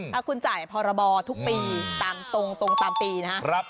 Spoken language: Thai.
ถ้าคุณจ่ายพรบทุกปีตามตรงตามปีนะครับ